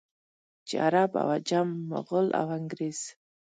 چې عرب او عجم، مغل او انګرېز.